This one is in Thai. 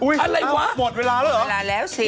อุ๊ยอะไรวะหมดเวลาแล้วเหรออันดับวันเวลาแล้วสิ